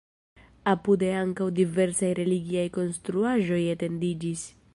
Apude ankaŭ diversaj religiaj konstruaĵoj etendiĝis.